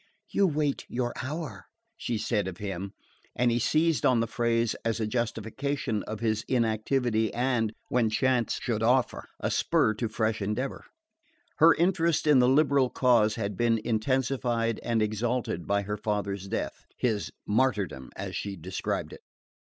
"You wait your hour," she said of him; and he seized on the phrase as a justification of his inactivity and, when chance should offer, a spur to fresh endeavour. Her interest in the liberal cause had been intensified and exalted by her father's death his martyrdom, as she described it.